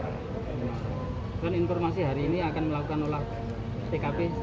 tuan informasi hari ini akan melakukan oleh tkp